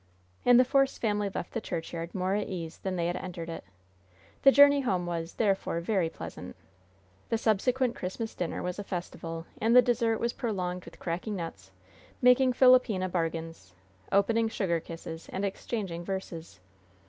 And the Force family left the churchyard more at ease than they had entered it. The journey home was, therefore, very pleasant. The subsequent Christmas dinner was a festival, and the dessert was prolonged with cracking nuts, making "philopena" bargains, opening sugar kisses and exchanging "verses."